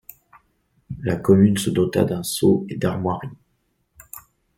La commune se dota d'un sceau et d’armoiries.